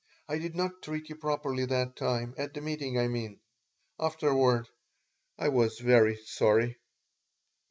I did not treat you properly that time at the meeting, I mean. Afterward I was very sorry."